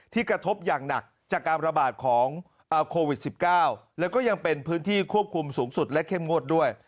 กระทบอย่างหนักจากการระบาดของโควิด๑๙แล้วก็ยังเป็นพื้นที่ควบคุมสูงสุดและเข้มงวดด้วย